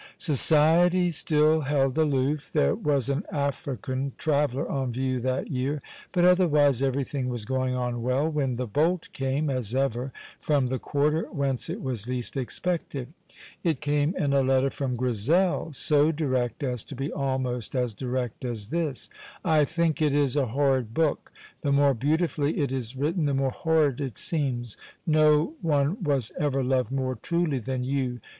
Society still held aloof (there was an African traveller on view that year), but otherwise everything was going on well, when the bolt came, as ever, from the quarter whence it was least expected. It came in a letter from Grizel, so direct as to be almost as direct as this: "I think it is a horrid book. The more beautifully it is written the more horrid it seems. No one was ever loved more truly than you.